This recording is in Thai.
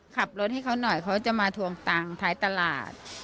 ขับรถให้เขาหน่อยเขาจะมาทวงตังค์ท้ายตลาด